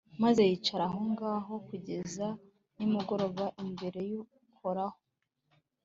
maze bicara aho ngaho kugeza nimugoroba imbere y'uhoraho